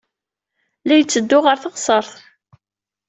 La itteddu ɣer teɣsert.